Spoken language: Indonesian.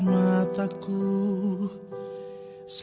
mas tunggu mas